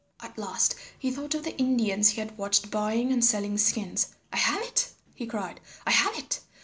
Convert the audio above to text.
At last he thought of the Indians he had watched buying and selling skins. "I have it," he cried, "I have it.